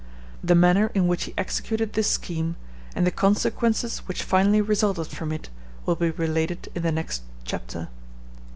The manner in which he executed this scheme, and the consequences which finally resulted from it, will be related in the next chapter.